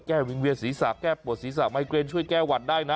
วิงเวียนศีรษะแก้ปวดศีรษะไมเกรนช่วยแก้หวัดได้นะ